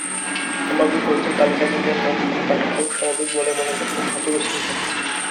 সম্ভাব্য কোচদের তালিকায় নিজের নাম থাকাটাকেও স্বাভাবিক বলেই মনে করছেন হাথুরুসিংহে।